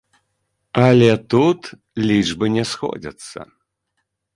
Але тут лічбы не сходзяцца.